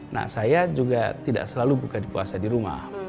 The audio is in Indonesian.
nah saya juga tidak selalu buka puasa di rumah